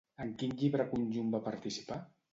En quin llibre conjunt va participar?